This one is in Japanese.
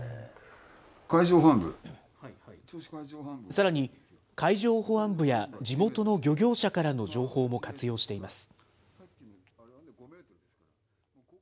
さらに、海上保安部や地元の漁業者からの情報も活用しています。